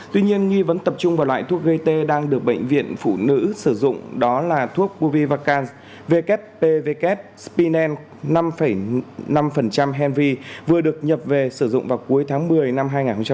tuy nhiên nghi vẫn tập trung vào loại thuốc gây tê đang được bệnh viện phụ nữ sử dụng đó là thuốc covivacans vkpvk spinen năm năm henvi vừa được nhập về sử dụng vào cuối tháng một mươi năm hai nghìn một mươi chín